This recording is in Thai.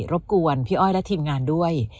รบกวนพี่อ้อยและทีมงานด้วย